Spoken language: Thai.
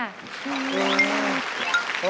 อืม